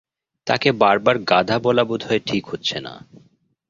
তাকে বার বার গাধা বলা বোধ হয় ঠিক হচ্ছে না।